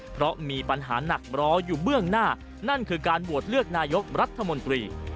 เพราะมีปัญหาหนักรออยู่เบื้องหน้านั่นคือการโหวตเลือกนายกรัฐมนตรี